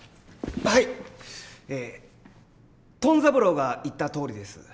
はい。えトン三郎が言ったとおりです。